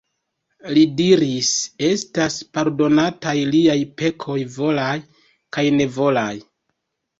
Li diris: "Estas pardonataj liaj pekoj volaj kaj nevolaj."